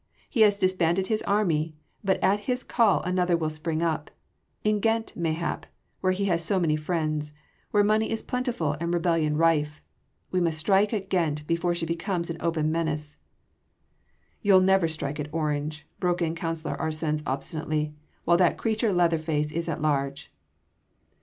He has disbanded his army, but at his call another will spring up ... in Ghent mayhap ... where he has so many friends ... where money is plentiful and rebellion rife.... We must strike at Ghent before she becomes an open menace..." "You’ll never strike at Orange," broke in Councillor Arsens obstinately, "while that creature Leatherface is at large."